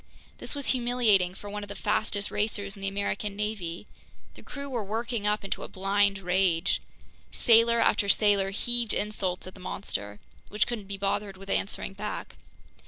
This was humiliating for one of the fastest racers in the American navy. The crew were working up into a blind rage. Sailor after sailor heaved insults at the monster, which couldn't be bothered with answering back.